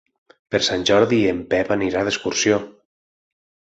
Per Sant Jordi en Pep anirà d'excursió.